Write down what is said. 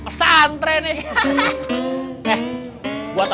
mas akelu de iqyat